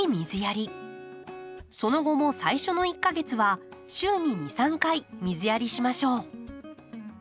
その後も最初の１か月は週に２３回水やりしましょう。